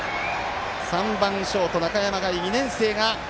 ３番ショート、中山凱２年生が。